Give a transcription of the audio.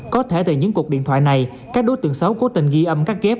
có thể từ những cuộc điện thoại này các đối tượng xấu cố tình ghi âm cắt ghép